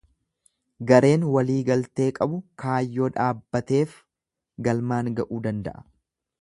Gareen walii galtee qabu kayyoo dhaabbateef galmaan ga'uu danda'a.